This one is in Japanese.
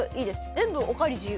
全部おかわり自由。